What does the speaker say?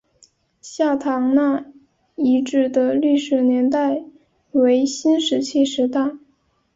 下堂那遗址的历史年代为新石器时代。